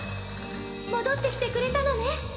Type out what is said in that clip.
戻ってきてくれたのね